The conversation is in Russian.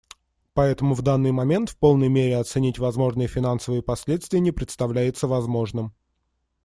Поэтому в данный момент в полной мере оценить возможные финансовые последствия не представляется возможным.